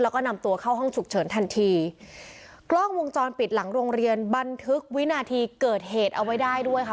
แล้วก็นำตัวเข้าห้องฉุกเฉินทันทีกล้องวงจรปิดหลังโรงเรียนบันทึกวินาทีเกิดเหตุเอาไว้ได้ด้วยค่ะ